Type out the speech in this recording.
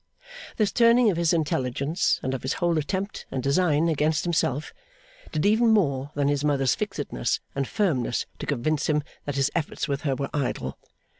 This turning of his intelligence and of his whole attempt and design against himself, did even more than his mother's fixedness and firmness to convince him that his efforts with her were idle.